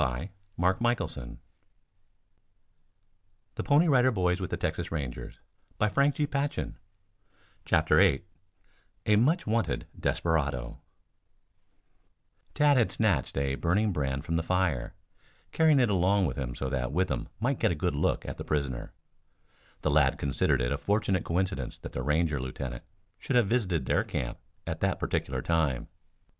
But there was little danger of Lieutenant Joe Withem doing anything of the sort, CHAPTER VIII A MUCH WANTED DESPERADO Tad had snatched a burning brand from the fire, carrying it along with him so that Withem might get a good look at the prisoner. The lad considered it a fortunate coincidence that the Ranger lieutenant should have visited their camp at that particular time.